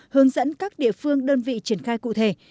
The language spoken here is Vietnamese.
hướng dẫn các địa phương đơn vị triển khai cụ thể